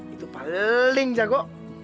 itu paling jago